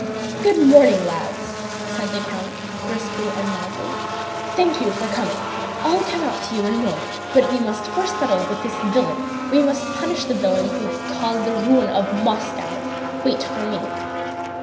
"Good morning, lads!" said the count briskly and loudly. "Thank you for coming. I'll come out to you in a moment, but we must first settle with the villain. We must punish the villain who has caused the ruin of Moscow. Wait for me!"